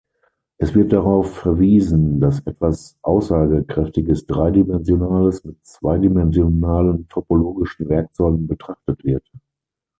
Es wird darauf verwiesen, dass etwas aussagekräftiges, dreidimensionales mit zweidimensionalen topologischen Werkzeugen betrachtet wird.